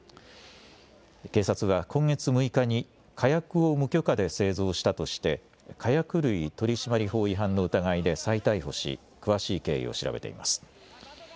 警察は今月６日に火薬を無許可で製造したとして火薬類取締法違反の疑いで再逮捕し詳しい経緯を調べています。